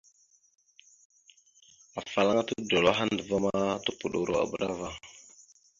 Afalaŋa todoláaha andəva ma, topoɗoro a bəra ava.